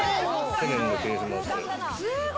去年のクリスマス。